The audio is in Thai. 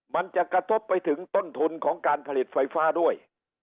มันจะกระทบไปถึงต้นทุนของการผลิตไฟฟ้าด้วย